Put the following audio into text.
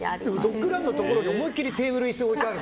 ドッグランのところに思いっきりテーブル置いてある。